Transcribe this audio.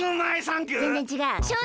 ぜんぜんちがう。